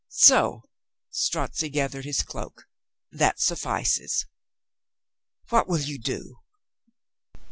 "So." Strozzi gathered his cloak. "That suf fices." "What will you do?"